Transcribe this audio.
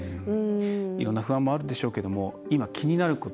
いろんな不安もあるでしょうけど今、気になること。